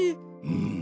うん。